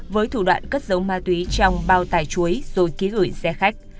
với thủ đoạn cất dấu ma túy trong bao tài chuối rồi ký gửi xe khách